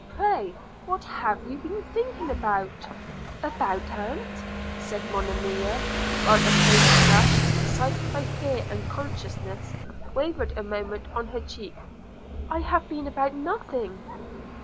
Pray what have you been about?' 'About, aunt!' said Monimia, while a faint blush, excited by fear and consciousness, wavered a moment on her check – 'I have been about nothing.'